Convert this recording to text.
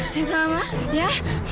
cek sama mama ya